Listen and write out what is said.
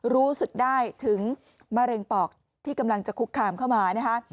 รู้สึกได้ถึงมะเร็งปอกที่กำลังจะคุกคามเข้ามานะคะ